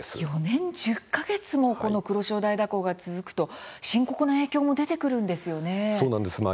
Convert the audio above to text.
４年１０か月もこの黒潮大蛇行が続くと深刻な影響も出てくるんですよね。